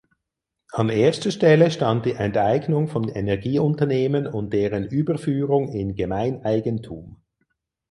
An erster Stelle stand die Enteignung von Energieunternehmen und deren Überführung in Gemeineigentum.